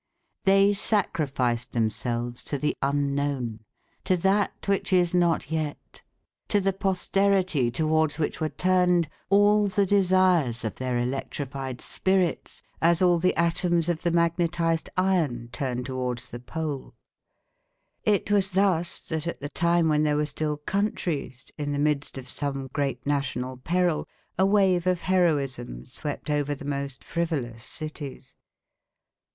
They sacrificed themselves to the Unknown, to that which is not yet, to the posterity towards which were turned all the desires of their electrified spirits, as all the atoms of the magnetised iron turn towards the pole. It was thus that, at the time when there were still countries, in the midst of some great national peril, a wave of heroism swept over the most frivolous cities.